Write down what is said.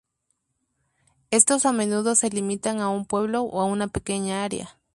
Estos a menudo se limitan a un pueblo o una pequeña área.